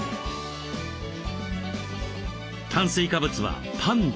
炭水化物はパンで。